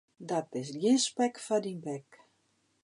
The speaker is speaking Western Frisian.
Dat is gjin spek foar dyn bek.